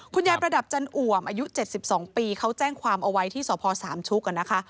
คุณยายประดับจันทร์อ่วมอายุ๗๒ปีเขาแจ้งความเอาไว้ที่สศสามชุก